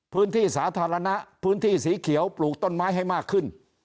พื้นที่สาธารณะพื้นที่สีเขียวปลูกต้นไม้ให้มากขึ้น